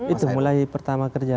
itu mulai pertama kerja